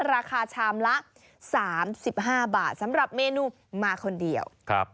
ราคาชามละ๓๕บาทสำหรับเมนูมาคนเดียว